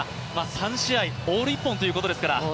３試合、オール一本ということですから。